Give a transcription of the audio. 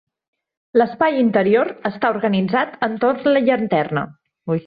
L'espai interior està organitzat entorn la llanterna.